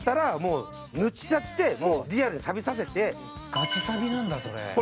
ガチ錆なんだそれ。